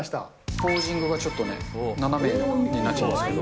ポージングがちょっとね、斜めになっちゃいましたけど。